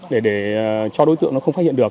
để cho đối tượng nó không phát hiện được